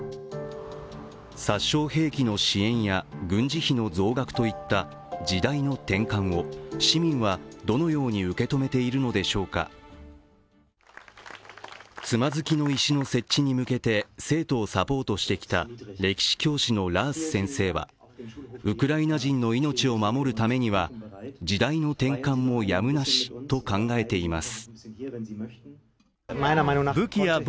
殺傷兵器の支援や、軍事費の増額といった時代の転換を市民はどのように受け止めているのでしょうかつまずきの石の設置に向けて生徒をサポートしてきた歴史教師のラース先生はウクライナ人の命を守るためには時代の転換もやむなしと考えています。